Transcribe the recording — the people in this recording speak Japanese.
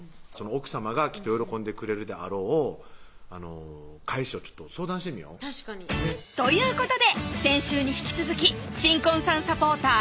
奥さまがきっと喜んでくれるであろう返しを相談してみよう確かにということで先週に引き続き新婚さんサポーター